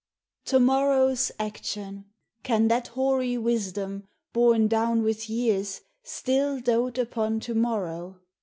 To morrow's action ! can that hoary wisdom, Borne down with years, still doat upon to morrow!